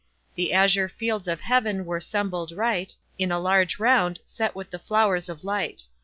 The azure fields of Heaven were 'sembled right In a large round, set with the flowers of light.